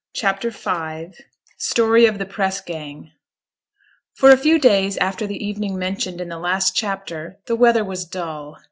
CHAPTER V STORY OF THE PRESS GANG For a few days after the evening mentioned in the last chapter the weather was dull.